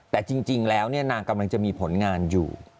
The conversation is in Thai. แต่จริงแล้วนางกำลังจะมีผลงานอยู่